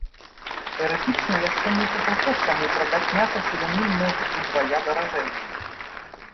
Тэарэтычна яшчэ месяцаў пяць таму прадаць мяса селянін мог удвая даражэй.